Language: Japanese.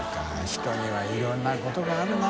人にはいろんなことがあるな。